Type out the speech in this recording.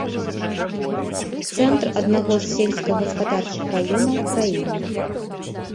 Цэнтр аднаго з сельскагаспадарчых раёнаў краіны.